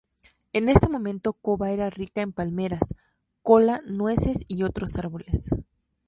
En ese momento, Koba era rica en palmeras, kola, nueces y otros árboles.